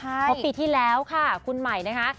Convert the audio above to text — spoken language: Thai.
เพราะปีที่แล้วค่ะคุณใหม่นะคะ